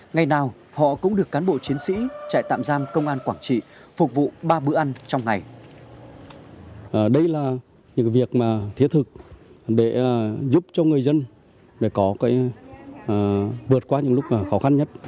ngày nào họ cũng được cán bộ chiến sĩ trại tạm giam công an quảng trị phục vụ ba bữa ăn trong ngày